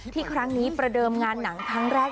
ครั้งนี้ประเดิมงานหนังครั้งแรก